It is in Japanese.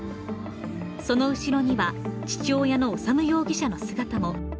その後ろには、父親の修容疑者の姿も。